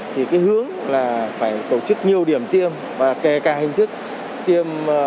thì cái hướng là phải tổ chức nhiều điểm tiêm và kể cả hình thức tiêm lưu động